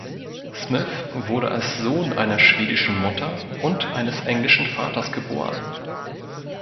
Smith wurde als Sohn einer schwedischen Mutter und eines englischen Vaters geboren.